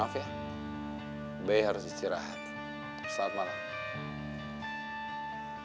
maaf ya be harus istirahat selamat malam